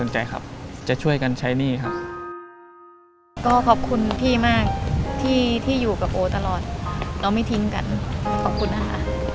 มาเอาใจช่วยโอพยาบาลสาวที่พร้อมจะชดใช้หนี้สินในอดีต